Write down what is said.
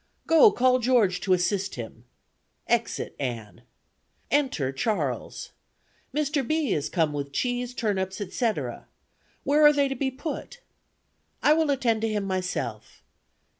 "'Go, call George to assist him.' (Exit Ann.) "Enter Charles. 'Mr. B is come with cheese, turnips, etc. Where are they to be put?' 'I will attend to him myself.'